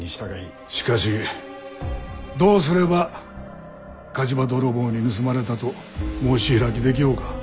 しかしどうすれば「火事場泥棒に盗まれた」と申し開きできようか。